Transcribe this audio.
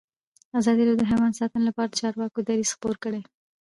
ازادي راډیو د حیوان ساتنه لپاره د چارواکو دریځ خپور کړی.